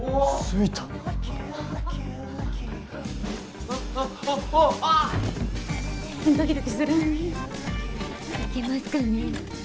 いけますかね？